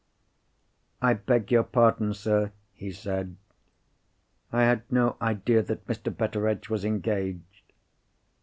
"I beg your pardon," he said. "I had no idea that Mr. Betteredge was engaged."